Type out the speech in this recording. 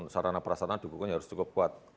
sarana prasarana dikukuhkan harus cukup kuat